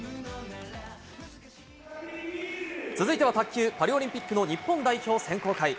続いては卓球、パリオリンピックの日本代表選考会。